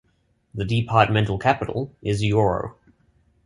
The departmental capital is Yoro.